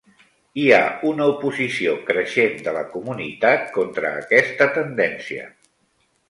Hi ha una oposició creixent de la comunitat contra aquesta tendència.